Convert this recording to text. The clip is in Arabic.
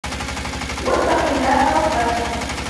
وَاتَّقِ اللَّهَ رَبَّك